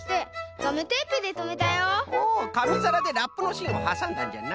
おかみざらでラップのしんをはさんだんじゃな。